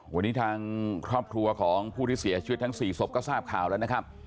วันนี้ทางครอบครัวของผู้ที่เสียชีวิตทั้ง๔ศพก็ทราบข่าวแล้วนะครับ